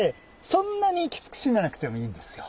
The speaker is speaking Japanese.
そんなにきつく締めなくてもいいんですよ。